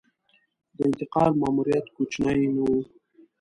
د انتقال ماموریت کوچنی نه و.